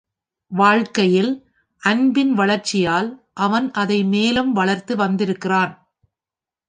வாழ்க்கையில் அன்பின் வளர்ச்சியால் அவன் அதை மேலும் வளர்த்து வந்திருக்கிறான்.